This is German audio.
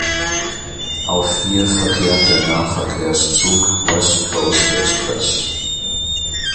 Auf ihr verkehrt der Nahverkehrszug West Coast Express.